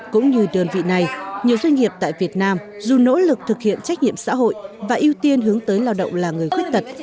cũng như đơn vị này nhiều doanh nghiệp tại việt nam dù nỗ lực thực hiện trách nhiệm xã hội và ưu tiên hướng tới lao động là người khuyết tật